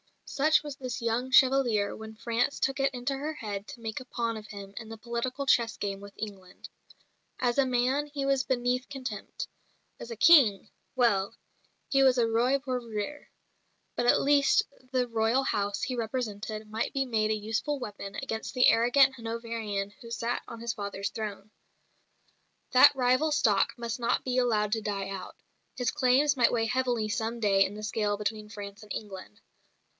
Such was this "Young Chevalier" when France took it into her head to make a pawn of him in the political chess game with England. As a man he was beneath contempt; as a "King" well, he was a Roi pour rire; but at least the Royal House he represented might be made a useful weapon against the arrogant Hanoverian who sat on his father's throne. That rival stock must not be allowed to die out; his claims might weigh heavily some day in the scale between France and England.